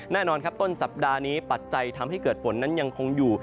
แน่นอนครับต้นสัปดาห์นี้ปัจจัยทำให้เกิดฝนนั้นยังคงอยู่